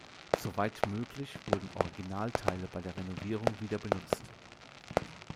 Soweit möglich, wurden Originalteile bei der Renovierung wieder benutzt.